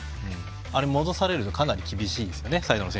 戻されるとかなり厳しいですね